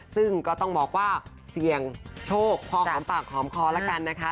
ซึ่งก็ต้องบอกว่าเสี่ยงโชคพอหอมปากหอมคอแล้วกันนะคะ